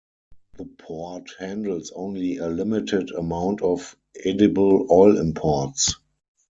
The port handles only a limited amount of edible oil imports.